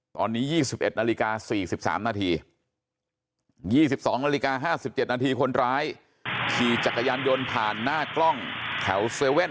ตอนนี้๒๑นาฬิกา๔๓นาที๒๒นาฬิกา๕๗นาทีคนร้ายขี่จักรยานยนต์ผ่านหน้ากล้องแถว๗๑๑